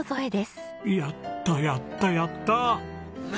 やったやったやった！